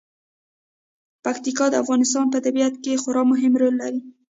پکتیکا د افغانستان په طبیعت کې یو خورا مهم رول لري.